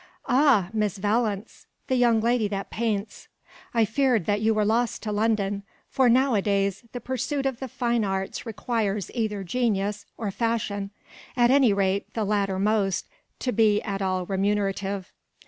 "Ah! Miss Valence! The young lady that paints. I feared that you were lost to London; for now a days the pursuit of the fine arts requires either genius, or fashion, at any rate the latter most, to be at all remunerative.